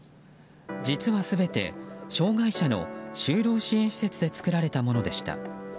実は全て障害者の就労支援施設で作られたものでした。